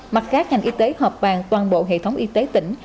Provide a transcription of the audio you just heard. mặt khác ngành y tế hợp bàn toàn bộ hệ thống y tế tỉnh